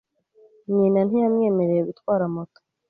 Nyina ntiyamwemereye gutwara moto.